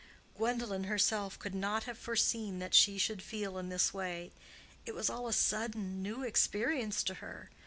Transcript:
Gwendolen herself could not have foreseen that she should feel in this way. It was all a sudden, new experience to her.